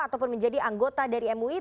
ataupun menjadi anggota dari mui